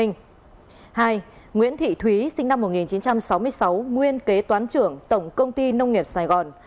hai nguyễn thị thúy sinh năm một nghìn chín trăm sáu mươi sáu nguyên kế toán trưởng tổng công ty nông nghiệp sài gòn